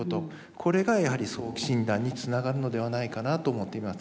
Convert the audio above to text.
これがやはり早期診断につながるのではないかなと思っています。